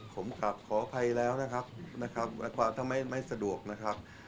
ผมขออภัยแล้วนะครับถ้าไม่สะดวกนะครับ